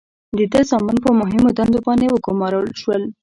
د ده زامن په مهمو دندو باندې وګمارل شول.